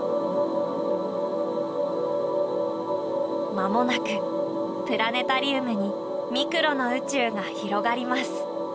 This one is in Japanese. まもなくプラネタリウムにミクロの宇宙が広がります。